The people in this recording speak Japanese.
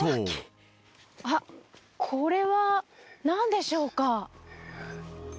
あっこれは何でしょうか？